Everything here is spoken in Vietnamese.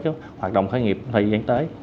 cái hoạt động khởi nghiệp thời gian tới